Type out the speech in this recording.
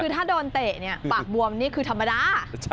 คือถ้าโดนเตะเนี่ยปากบวมนี่คือธรรมดา